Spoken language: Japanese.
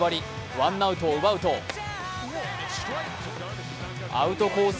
ワンアウトを奪うとアウトコース